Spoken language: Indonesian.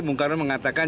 bung karun mengatakan